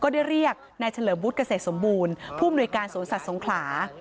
ได้เรียกนายเฉลิมวุฒิเกษตรสมบูรณ์ผู้มนุยการสวนสัตว์สงขลา